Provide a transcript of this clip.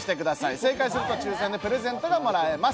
正解すると抽選でプレゼントがもらえます。